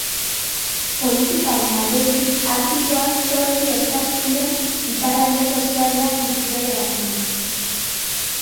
Politikaren aldetik, Artikoak zortzi estaturen iparraldeko eskualdeak ditu bere barnean.